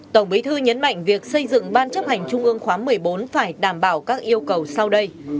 tổng bí thư nhấn mạnh việc xây dựng ban chấp hành trung ương khóa một mươi bốn phải đảm bảo các yêu cầu sau đây